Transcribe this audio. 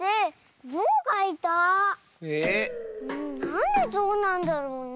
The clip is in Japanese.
なんでぞうなんだろうね？